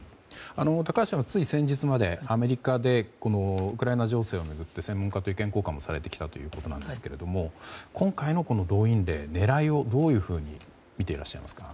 高橋さんつい先日までアメリカでウクライナ情勢を巡って専門家と意見交換もされてきたということですけれども今回の動員令の狙いをどういうふうにみていらっしゃいますか？